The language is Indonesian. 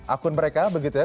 akun mereka begitu ya